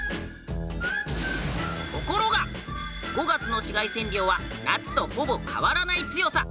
ところが５月の紫外線量は夏とほぼ変わらない強さ